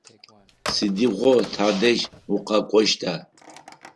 Сыдигъо тадэжь укъэкӏощта?